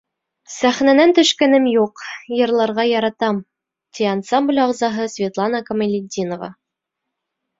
Сәхнәнән төшкәнем юҡ, йырларға яратам, — ти ансамбль ағзаһы Светлана Камалетдинова.